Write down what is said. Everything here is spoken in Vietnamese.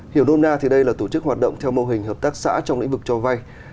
hiểu đônna thì đây là tổ chức hoạt động theo mô hình hợp tác xã trong lĩnh vực cho vay